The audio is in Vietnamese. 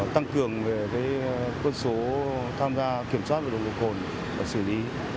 tăng cường về cơn số tham gia kiểm soát về nông độ côn và xử lý